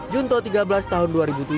junto tiga belas tahun dua ribu tujuh